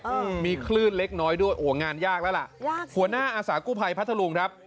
อืมมีคลื่นเล็กน้อยด้วยโอ้งานยากแล้วล่ะยากหัวหน้าอาสากู้ภัยพัทธรุงครับ